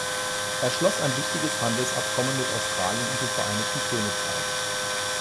Er schloss ein wichtiges Handelsabkommen mit Australien und dem Vereinigten Königreich.